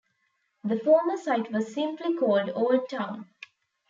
The former site was simply called Old Town.